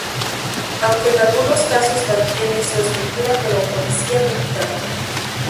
Aunque en algunos casos mantiene su estructura como policía militar.